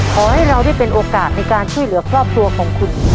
ขอให้เราได้เป็นโอกาสในการช่วยเหลือครอบครัวของคุณ